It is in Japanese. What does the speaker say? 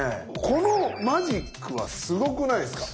このマジックはすごくないですか？